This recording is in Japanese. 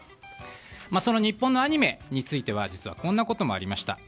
その日本のアニメについては実はこんなこともありました。